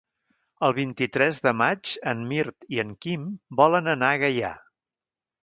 El vint-i-tres de maig en Mirt i en Quim volen anar a Gaià.